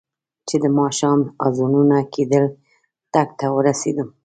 چې د ماښام اذانونه کېدل ټک ته ورسېدم.